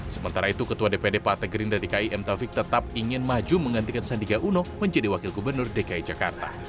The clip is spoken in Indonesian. sementara itu ketua dpd partai gerindra dki m taufik tetap ingin maju menggantikan sandiaga uno menjadi wakil gubernur dki jakarta